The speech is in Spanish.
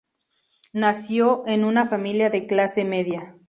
Nació en una familia de clase media.